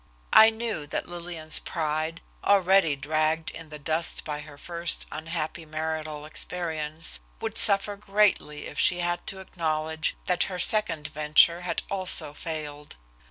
I knew that Lillian's pride, already dragged in the dust by her first unhappy marital experience, would suffer greatly if she had to acknowledge that her second venture had also failed.